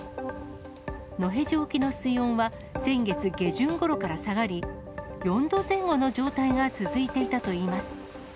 野辺地沖の水温は、先月下旬ごろから下がり、４度前後の状態が続いていたといいます。